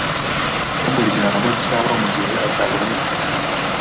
w umuryango cyangwa mu gihe atabonetse